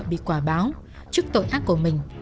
bị quả báo trước tội ác của mình